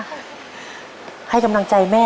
ครอบครับ